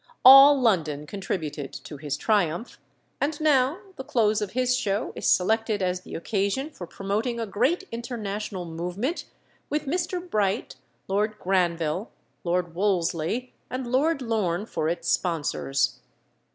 All London contributed to his triumph, and now the close of his show is selected as the occasion for promoting a great international movement, with Mr. Bright, Lord Granville, Lord Wolseley, and Lord Lorne for its sponsors.